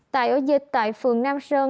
tại ổ dịch tại phường nam sơn